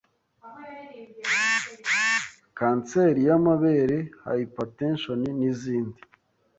cancer y’amabere, hyper tension n’izindi